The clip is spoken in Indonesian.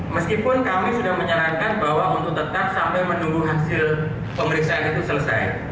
meskipun kami sudah menyarankan bahwa untuk tetap sampai menunggu hasil pemeriksaan itu selesai